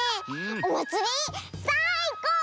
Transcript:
おまつりさいこう！